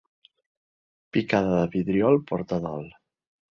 Picada de vidriol porta dol.